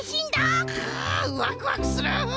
くワクワクする！